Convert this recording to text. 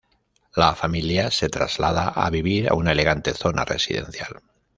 La familia se traslada a vivir a una elegante zona residencial.